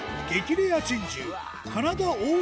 レア珍獣